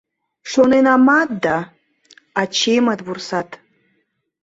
— Шоненамат да... ачиймыт вурсат..